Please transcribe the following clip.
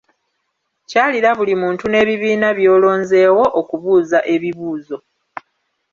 Kyalira buli muntu n’ebibiina by’olonzeewo okubuuza ebibuuzo.